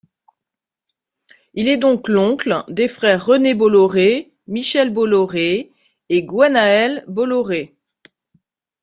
Il est donc l'oncle des frères René Bolloré, Michel Bolloré et Gwenn-Aël Bolloré.